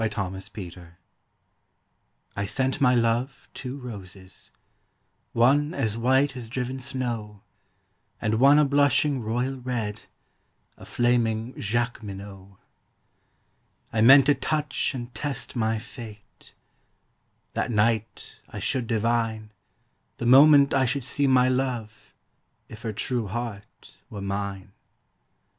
The White Flag I sent my love two roses, one As white as driven snow, And one a blushing royal red, A flaming Jacqueminot. I meant to touch and test my fate; That night I should divine, The moment I should see my love, If her true heart were mine.